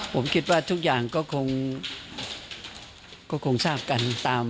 ผมคิดว่าทุกอย่างก็คงทราบกันตาม